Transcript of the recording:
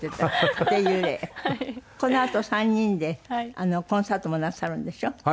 このあと３人でコンサートもなさるんでしょ？